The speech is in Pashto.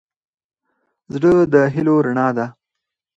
زړه د هيلو رڼا ده.